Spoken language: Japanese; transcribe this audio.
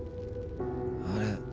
あれ？